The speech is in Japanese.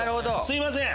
すいません。